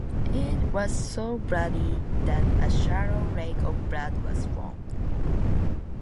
It was so bloody that a shallow lake of blood was formed.